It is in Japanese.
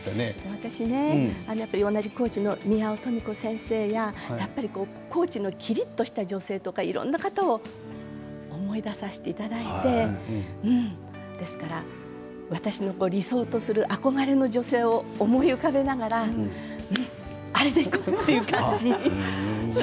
私同じ高知県の宮尾登美子先生や高知県のキリッとした女性とかいろんな方を思い出させていただいてですから私の理想とする憧れの女性を思い浮かべながらあれでいこうという感じに。